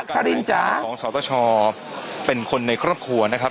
ของข้าวชอบเป็นคนในครอบครัวนะครับ